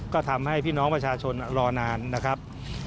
ก็ทำให้พี่น้องประชาชนรอนานนะครับ